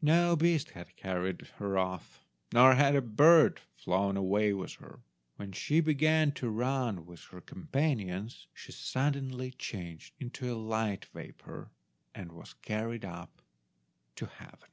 No beast had carried her off, nor had a bird flown away with her. When she began to run with her companions she suddenly changed into a light vapour, and was carried up to heave